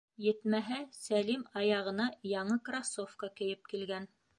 Етмәһә, Сәлим аяғына яңы кроссовка кейеп килгән.